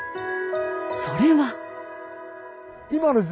それは。